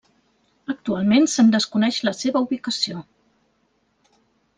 Actualment se'n desconeix la seva ubicació.